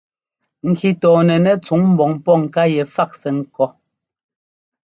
Ŋki tɔɔnɛnɛ́ tsuŋ ḿbɔŋ pɔ́ ŋká yɛ fák sɛ́ ŋkɔ́.